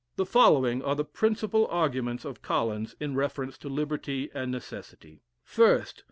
The following are the principal arguments of Collins in reference to Liberty and Necessity: First.